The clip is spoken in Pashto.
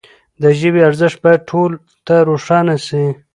د ژبي ارزښت باید ټولو ته روښانه سي.